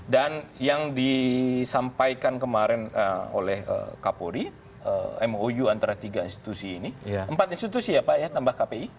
dan yang disampaikan kemarin oleh kapolri mou antara tiga institusi ini empat institusi ya pak ya tambah kpi